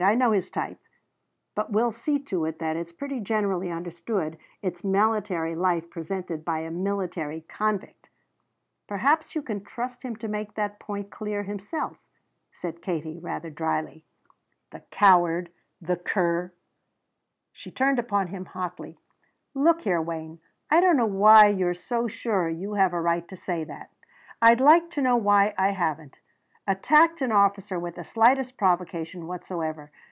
I know his type. But we'll see to it that it's pretty generally understood it's military life as presented by a military convict." "Perhaps you can trust him to make that point clear himself," said Katie rather dryly. "The coward. The cur." She turned upon him hotly. "Look here, Wayne, I don't know why you're so sure you have a right to say that!" "I'd like to know why I haven't! Attacked an officer without the slightest provocation whatsoever!